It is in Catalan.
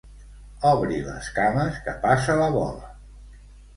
Obri les cames que passa la bola.